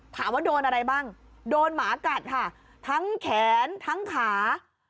ถามว่าโดนอะไรบ้างโดนหมากัดค่ะทั้งแขนทั้งขา